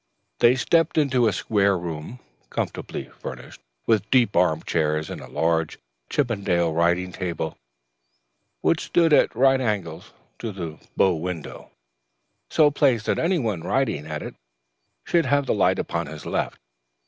They stepped into a square room, comfortably furnished, with deep arm chairs, and a large chippendale writing table which stood at right angles to the bow window, so placed that anyone writing at it should have the light upon his left.